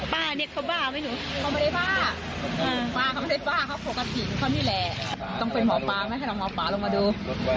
ป้าเนี่ยเขาบ้าไหมหนู